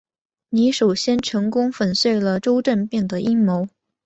你首先成功粉碎了周政变的阴谋。